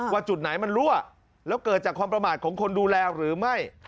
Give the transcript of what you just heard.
ว่าจุดไหนมันรั่วแล้วเกิดจากความประมาทของคนดูแลหรือไม่